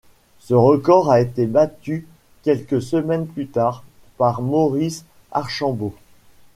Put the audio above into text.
Ce record a été battu quelques semaines plus tard par Maurice Archambaud.